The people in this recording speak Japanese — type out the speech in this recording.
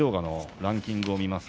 ランキング